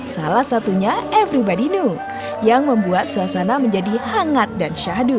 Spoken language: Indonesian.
salah satunya everybody new yang membuat suasana menjadi hangat dan syahadu